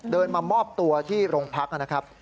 เดินมามอบตัวที่โรงพักษณ์นะครับ